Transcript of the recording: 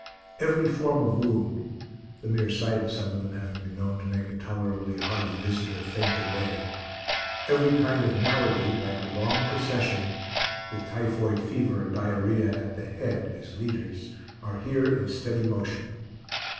Every form of wound (the mere sight of some of them having been known to make a tolerably hardy visitor faint away), every kind of malady, like a long procession, with typhoid fever and diarrhoea at the head as leaders, are here in steady motion.